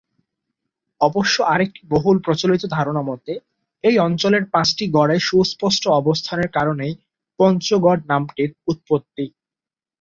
অবশ্য আরেকটি বহুল প্রচলিত ধারণা মতে, এই অঞ্চলের পাঁচটি গড়ের সুস্পষ্ট অবস্থানের কারণেই "পঞ্চগড়" নামটির উৎপত্তি।